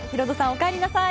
おかえりなさい！